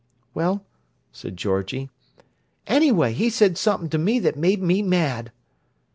"Well—" said Georgie. "Anyway, he said somep'm' to me that made me mad."